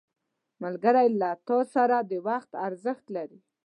ملګری له تا سره د وخت ارزښت لري